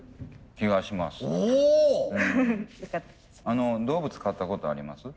あの動物飼ったことあります？